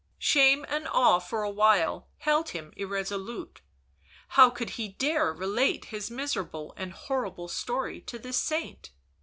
Shame and awe for a while held him irresolute, how could he dare relate his miserable and horrible story to this saint